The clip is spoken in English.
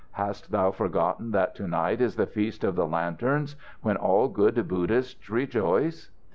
Hast thou forgotten that to night is the Feast of the Lanterns, when all good Buddhists rejoice?"